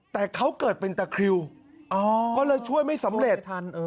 แต่เขาเกิดเป็นตะคริวก็เลยช่วยไม่สำเร็จ